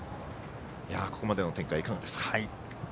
ここまでの展開、いかがですか。